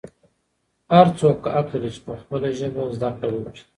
هر څوک حق لري چې په خپله ژبه زده کړه وکړي.